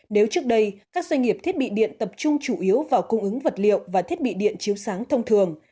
nếu trước đây các doanh nghiệp thiết bị điện tập trung chủ yếu vào cung ứng vật liệu và thiết bị điện chiếu sáng thông thường